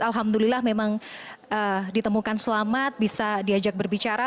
alhamdulillah memang ditemukan selamat bisa diajak berbicara